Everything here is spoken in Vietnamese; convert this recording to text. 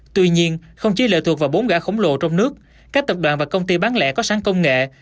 tuy nhiên không chỉ lệ thuộc vào bốn gã khổng lồ trong nước các tập đoàn và công ty bán lẻ có sáng công nghệ